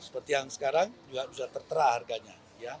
seperti yang sekarang juga sudah tertera harganya